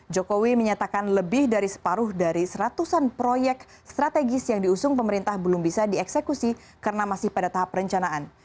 jokowi menyatakan lebih dari separuh dari seratusan proyek strategis yang diusung pemerintah belum bisa dieksekusi karena masih pada tahap perencanaan